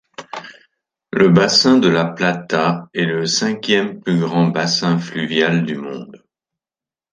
Le bassin de la Plata est le cinquième plus grand bassin fluvial du monde.